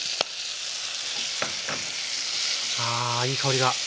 あいい香りが。